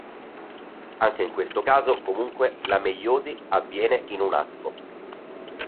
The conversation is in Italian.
Anche in questo caso, comunque, la meiosi avviene in un asco.